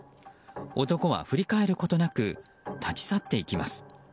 男は振り返ることなく立ち去っていきます。